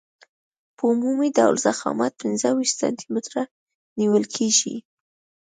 په عمومي ډول ضخامت پنځه ویشت سانتي متره نیول کیږي